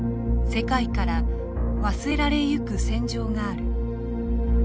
世界から忘れられゆく戦場がある。